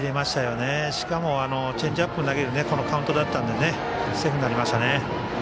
しかも、チェンジアップを投げるカウントだったのでセーフになりましたね。